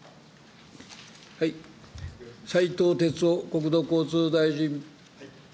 斉藤鉄夫国土交通大臣。